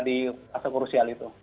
di pasang kurusial itu